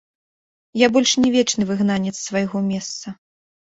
Я больш не вечны выгнанец з свайго месца.